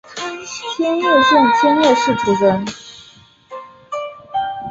千叶县千叶市出身。